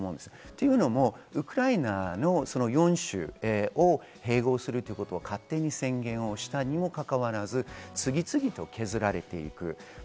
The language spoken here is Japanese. というのもウクライナの４州を併合するということを勝手に宣言をしたにもかかわらず、次々と削られていく。